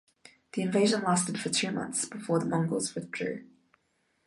The invasion lasted for two months before the Mongols withdrew.